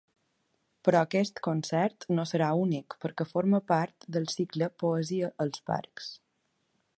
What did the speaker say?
Però aquest concert no serà únic perquè forma part del cicle Poesia als parcs.